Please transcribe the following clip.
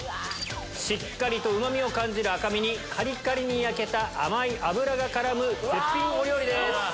しっかりとうまみを感じる赤身にカリカリに焼けた甘い脂が絡む絶品お料理です。